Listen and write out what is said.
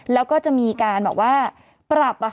แล้วก็จะมีการแบบว่าปรับ